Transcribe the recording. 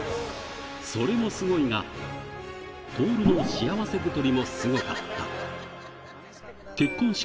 それもすごいが、徹の幸せ太りもすごかった。